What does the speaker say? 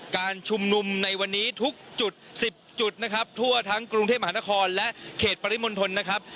การชุมนุมในวันนี้ทุกจุด๑๐จุดนะครับทั่วทั้งกรุงเทพมหานครและเขตปริมณฑลนะครับ